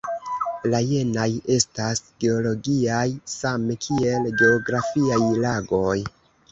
La jenaj estas geologiaj same kiel geografiaj lagoj.